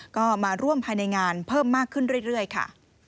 ก็มาร่วมภายในงานเพิ่มมากขึ้นเรื่อยค่ะ